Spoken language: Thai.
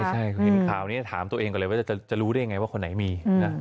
ใช่เห็นข่าวนี้ถามตัวเองก่อนเลยว่าจะรู้ได้ยังไงว่าคนไหนมีนะ